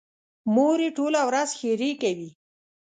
مور یې ټوله ورځ ښېرې کوي.